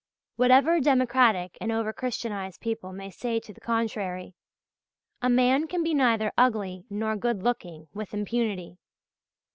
Whatever democratic and over Christianized people may say to the contrary, a man can be neither ugly nor good looking with impunity.